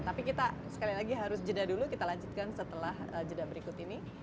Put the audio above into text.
tapi kita sekali lagi harus jeda dulu kita lanjutkan setelah jeda berikut ini